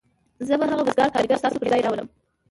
زه به هغه وزګار کارګر ستاسو پر ځای راوړم